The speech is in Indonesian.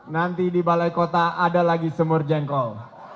nanti di balai kota ada lagi semur jengkol